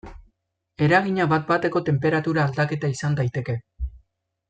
Eragina bat bateko tenperatura aldaketa izan daiteke.